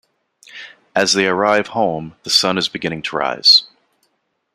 As they arrive home, the sun is beginning to rise.